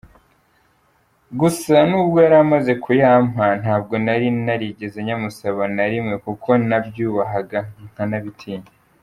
gusa nubwo yari amaze kuyampa ntabwo nari narigeze nyamusaba na rimwe kuko nabyubahaga nkanabitinya.